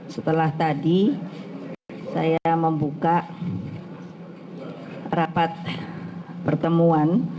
setelah tadi saya membuka rapat pertemuan